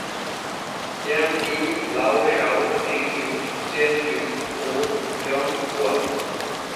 চিয়াং-ই, লাও-শাও, হেংজু, চেন-জু ও ইয়ং-কুয়ান।